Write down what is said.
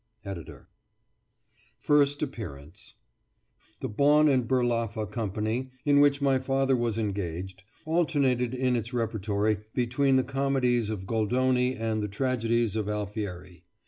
ED.] FIRST APPEARANCE The Bon and Berlaffa Company, in which my father was engaged, alternated in its repertory between the comedies of Goldoni and the tragedies of Alfieri.